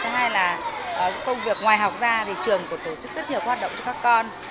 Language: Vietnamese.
thứ hai là công việc ngoài học ra thì trường còn tổ chức rất nhiều hoạt động cho các con